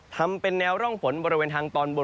ทำเป็นแนวร่องฝนบริเวณทางตอนบน